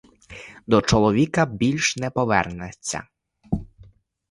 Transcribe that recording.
До чоловіка більш не повернеться.